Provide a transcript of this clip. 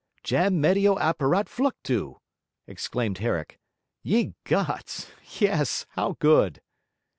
'Jam medio apparet fluctu!' exclaimed Herrick. 'Ye gods, yes, how good!'